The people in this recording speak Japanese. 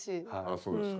あそうですか。